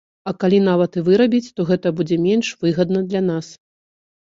А калі нават і вырабіць, то гэта будзе менш выгадна для нас.